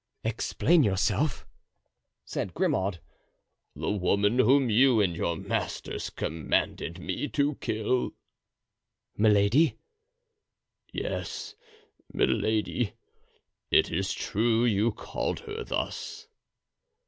"Explain yourself." said Grimaud. "The woman whom you and your masters commanded me to kill——" "Milady?" "Yes, Milady; it is true you called her thus."